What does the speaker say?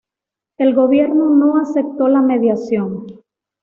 El Gobierno no aceptó la mediación.